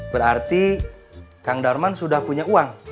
berarti kang darman sudah punya uang